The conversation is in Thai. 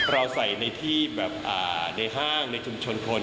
เราใส่ในที่แบบในห้างในชุมชนคน